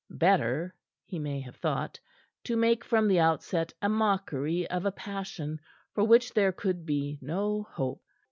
Better, he may have thought, to make from the outset a mockery of a passion for which there could be no hope.